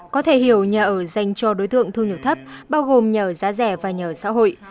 có thể hiểu nhà ở dành cho đối tượng thu nhập thấp bao gồm nhờ giá rẻ và nhà ở xã hội